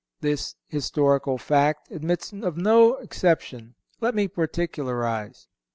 This historical fact admits of no exception. Let me particularize.